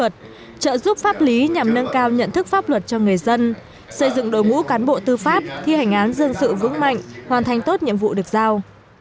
trợ giúp pháp lý nhằm nâng cao nhận thức pháp luật cho người dân xây dựng đội ngũ cán bộ tư pháp thi hành án dân sự vững mạnh hoàn thành tốt nhiệm vụ được giao